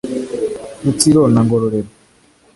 Rutsiro na Ngororero